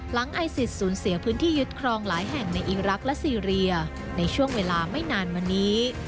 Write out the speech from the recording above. ไอซิสสูญเสียพื้นที่ยึดครองหลายแห่งในอีรักษ์และซีเรียในช่วงเวลาไม่นานมานี้